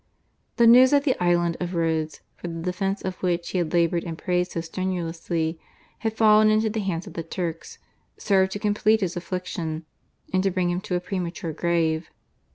The news that the island of Rhodes, for the defence of which he had laboured and prayed so strenuously, had fallen into the hands of the Turks, served to complete his affliction and to bring him to a premature grave.